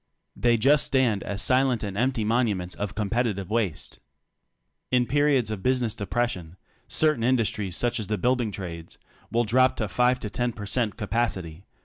They just stand as silent and empty monuments of competitive waste. In periods of business depression — certain industries such as the building trades^ will drop to 5 or 10 per cent capacity.